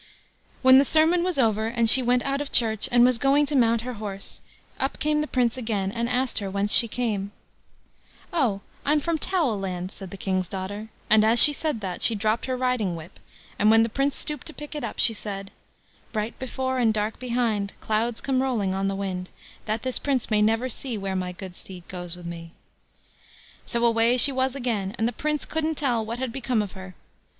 When the sermon was over, and she went out of church and was going to mount her horse, up came the Prince again, and asked her whence she came. "Oh! I'm from Towelland", said the King's daughter; and as she said that, she dropped her riding whip, and when the Prince stooped to pick it up, she said: Bright before and dark behind, Clouds come rolling on the wind; That this Prince may never see Where my good steed goes with me. So away she was again; and the Prince couldn't tell what had become of her.